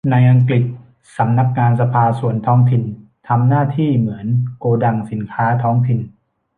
ในอังกฤษ สำนักงานสภาส่วนท้องถิ่นทำหน้าที่เหมือนโกดังสินค้าท้องถิ่น